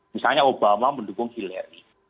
misalnya obama mendukung hillary